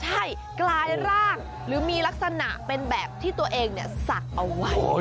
ใช่กลายร่างหรือมีลักษณะเป็นแบบที่ตัวเองศักดิ์เอาไว้